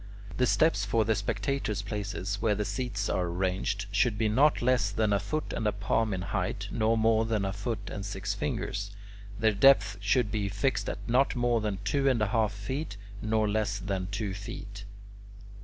The steps for the spectators' places, where the seats are arranged, should be not less than a foot and a palm in height, nor more than a foot and six fingers; their depth should be fixed at not more than two and a half feet, nor less than two feet.